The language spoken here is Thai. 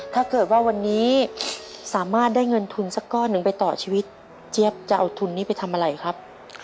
ถ้าเกิดว่าวันนี้สามารถได้เงินทุนสักก้อนหนึ่งไปต่อชีวิตเจี๊ยบจะเอาทุนนี้ไปทำอะไรครับ